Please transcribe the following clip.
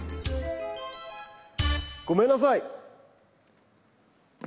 ごめんなさい！